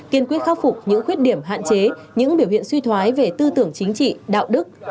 kiên quyết khắc phục những khuyết điểm hạn chế những biểu hiện suy thoái về tư tưởng chính trị đạo đức